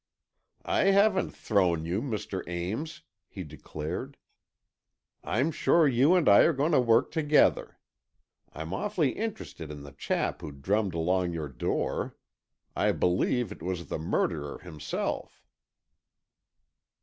"I haven't thrown you, Mr. Ames," he declared. "I'm sure you and I are going to work together. I'm awfully interested in the chap who drummed along your door. I believe it was the murderer himself."